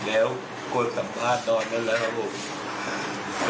แล้วคนสัมภาษณ์ตอนนั้นแล้วครับผม